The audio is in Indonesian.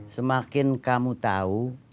semakin kamu tahu